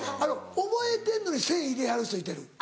覚えてんのに線引いてはる人いてる。